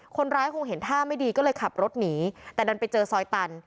คนร้ายคงเห็นท่าไม่ดีก็เลยขับรถหนีแต่ดันไปเจอซอยตัน